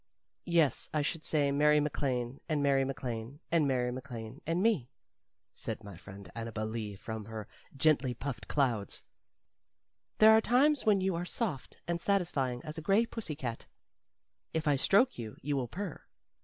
"Yes, I should say Mary MacLane, and Mary MacLane, and Mary MacLane, and me," said my friend Annabel Lee from her gently puffed clouds. "There are times when you are soft and satisfying as a gray pussy cat. If I stroke you, you will purr.